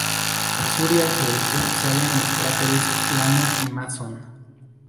Al sur y al sureste se hallan los cráteres Plana y Mason.